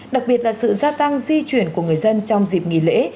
đặc biệt là sự gia tăng di chuyển của người dân trong dịp nghỉ lễ